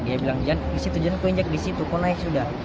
dia bilang jan di situ jan kok injak di situ kok naik sudah